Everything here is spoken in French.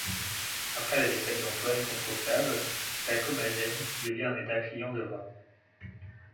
Après la défaite d'Antoine contre Octave, la Commagène devient un état client de Rome.